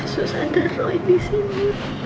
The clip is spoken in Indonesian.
susah darulah di sini